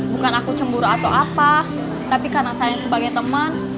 bukan aku cemburu atau apa tapi karena saya sebagai teman